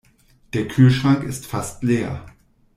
Der Kühlschrank ist fast leer.